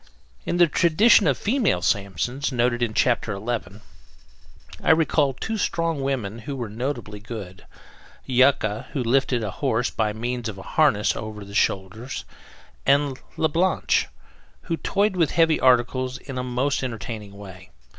In the tradition of the "Female Sampsons" noted in Chapter Eleven, I recall two strong women who were notably good; Yucca, who lifted a horse by means of a harness over the shoulders; and La Blanche, who toyed with heavy articles in a most entertaining way.